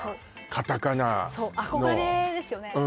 カタカナそう憧れですよね